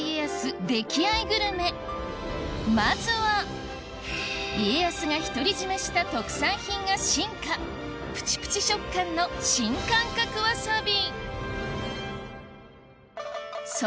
まずは家康が独り占めした特産品が進化プチプチ食感の新感覚わさび